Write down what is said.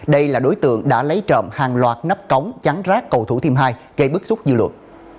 đây là đối tượng đã lấy trộm hàng loạt nắp cống trắng rác cầu thủ thiêm hai gây bức xúc dư luận